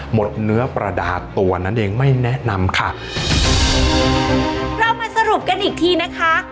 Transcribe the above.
หมดเนื้อประดาษตัวนั้นเองไม่แนะนำค่ะเรามาสรุปกันอีกทีนะคะ